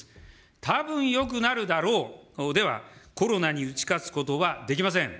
たぶんよくなるだろうでは、コロナに打ち勝つことはできません。